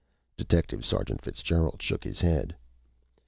Detective Sergeant Fitzgerald shook his head.